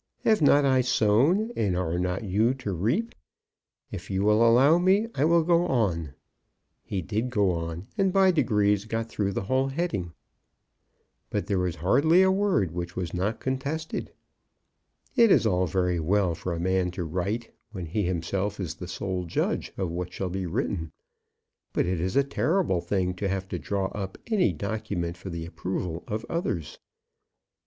"Have not I sown, and are not you to reap? If you will allow me I will go on." He did go on, and by degrees got through the whole heading; but there was hardly a word which was not contested. It is all very well for a man to write, when he himself is the sole judge of what shall be written; but it is a terrible thing to have to draw up any document for the approval of others.